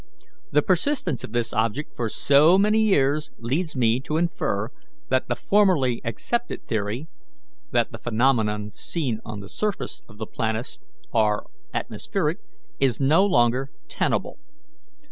The persistence of this object for so many years leads me to infer that the formerly accepted theory, that the phenomena seen on the surface of the planet are atmospheric, is no longer tenable.